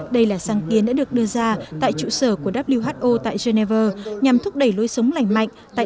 đây là sáng kiến đã được đưa ra tại trụ sở của who tại geneva nhằm thúc đẩy lối sống lành mạnh tại